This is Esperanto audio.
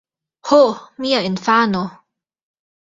Ho, mia infano!